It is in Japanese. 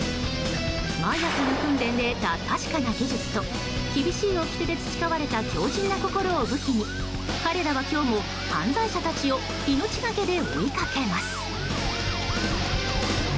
毎朝の訓練で得た確かな技術と厳しいおきてで培われた強靭な心を武器に彼らは今日も犯罪者たちを命がけで追いかけます。